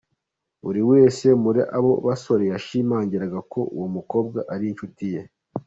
Buri wese muri abo basore yashimangiraga ko uwo mukobwa ari inshuti ye.